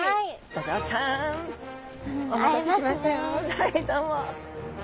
はいどうも。